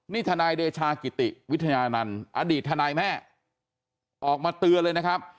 นี่ทนายเดชากิติวิทยานันต์อดีตทนายแม่ออกมาเตือนเลยนะครับ